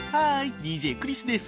ＤＪクリスです。